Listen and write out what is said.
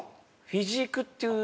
フィジークっていう？